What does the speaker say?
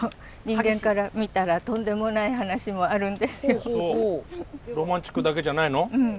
人間から見たらとんでもない話もあるんですよ。